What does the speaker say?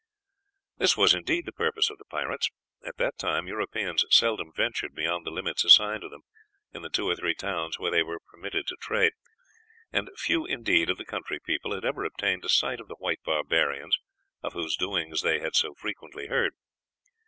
This was, indeed, the purpose of the pirates. At that time Europeans seldom ventured beyond the limits assigned to them in the two or three towns where they were permitted to trade, and few, indeed, of the country people had ever obtained a sight of the white barbarians of whose doings they had so frequently heard.